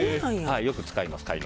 よく使います。